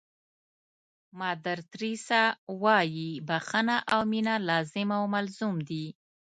مادر تریسیا وایي بښنه او مینه لازم او ملزوم دي.